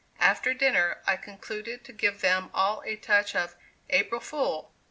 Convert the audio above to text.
After dinner I concluded to give them all a touch of "April fool."